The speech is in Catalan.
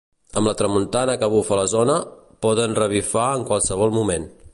Amb la tramuntana que bufa a la zona, poden revifar en qualsevol moment.